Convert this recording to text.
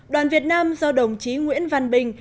đoàn việt nam do đồng chí nguyễn văn bình